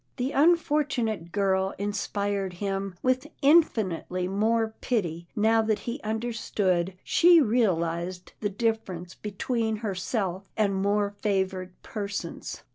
The unfortunate girl inspired him with infinitely more pity, now that he understood she realized the dif ference between herself and more favoured persons.